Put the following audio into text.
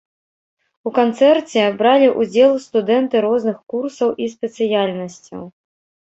У канцэрце бралі ўдзел студэнты розных курсаў і спецыяльнасцяў.